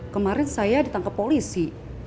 kemarin saya ditangkap polisi